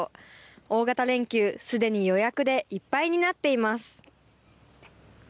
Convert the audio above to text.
大型連休すでに予約でいっぱいになっています。